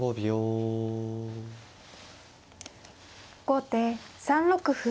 後手３六歩。